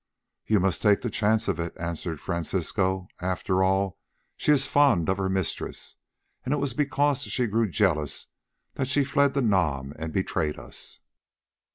"You must take the chance of it," answered Francisco; "after all she is fond of her mistress, and it was because she grew jealous that she fled to Nam and betrayed us."